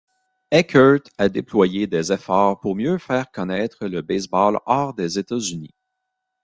Eckert a déployé des efforts pour mieux faire connaître le baseball hors des États-Unis.